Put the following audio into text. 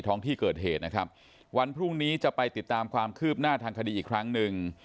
ท้องที่เกิดเหตุนะครับวันพรุ่งนี้จะไปติดตามความคืบหน้าทางคดีอีกครั้งหนึ่ง